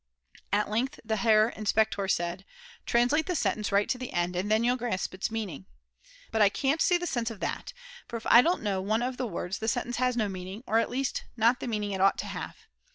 At length the Herr Inspektor said: "Translate the sentence right to the end, and then you'll grasp its meaning." But I can't see the sense of that; for if I don't know one of the words the sentence has no meaning, or at least not the meaning it ought to have.